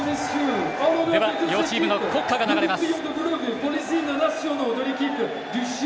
では、両チームの国家が流れます。